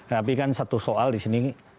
tapi kan satu soal di sini